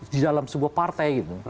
di dalam sebuah partai